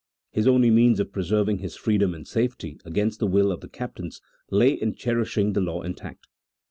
His only means of preserving his freedom in safety against the will of the captains lay in cherishing the law intact.